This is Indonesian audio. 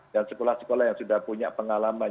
dan sekolah sekolah yang sudah punya pengalaman